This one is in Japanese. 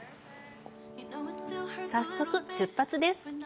早速、出発です。